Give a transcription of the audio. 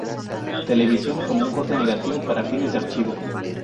Television como un corte negativo para fines de archivo.